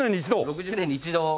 ６０年に一度。